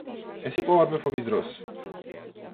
ეს იყო ორმეფობის დრო.